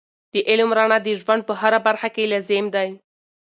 د علم رڼا د ژوند په هره برخه کې لازم دی.